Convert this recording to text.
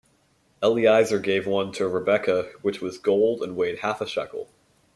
Eliezer gave one to Rebekah which was gold and weighed half a shekel.